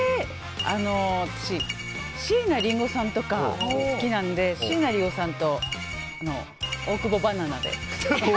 私、椎名林檎さんとか好きなので椎名林檎さんと大久保バナナで。